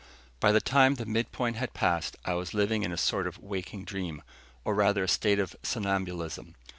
By the time the midpoint had been passed, I was living in a sort of waking dream; or rather, a state of somnambulism.